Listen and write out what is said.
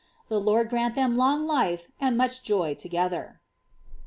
The *^ uw grant them long life, and much joy together."